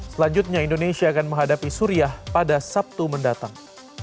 selanjutnya indonesia akan menghadapi suriah pada sabtu mendatang